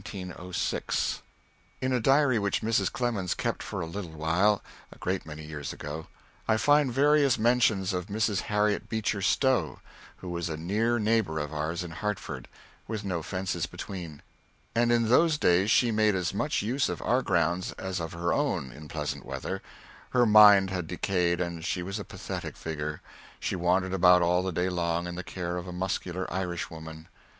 In a diary which Mrs. Clemens kept for a little while, a great many years ago, I find various mentions of Mrs. Harriet Beecher Stowe, who was a near neighbor of ours in Hartford, with no fences between. And in those days she made as much use of our grounds as of her own, in pleasant weather. Her mind had decayed, and she was a pathetic figure. She wandered about all the day long in the care of a muscular Irishwoman.